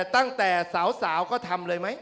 ตั้งแต่สาวก็ทำเลยไหม